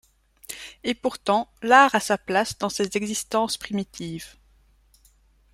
Et pourtant, l’art a sa place dans ces existences primitives.